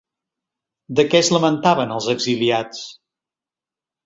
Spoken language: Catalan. De què es lamentaven els exiliats?